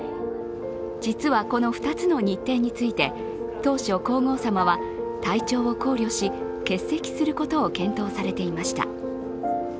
実はこの２つの日程について当初、皇后さまは体調を考慮し、欠席することを検討されていました。